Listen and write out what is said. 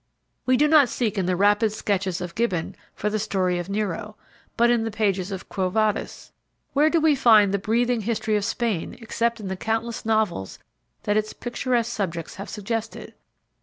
We do not seek in the rapid sketches of Gibbon for the story of Nero, but in the pages of "Quo Vadis." Where do we find the breathing history of Spain except in the countless novels that its picturesque subjects have suggested?